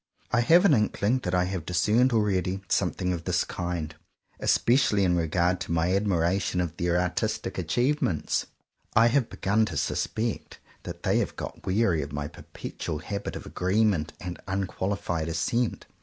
I have an inkling that I have dis cerned already something of this kind, especially in regard to my admiration for their artistic achievements. I have 132 JOHN COWPER POWYS begun to suspect that they have got weary of my perpetual habit of agreement and unquaHfied assent.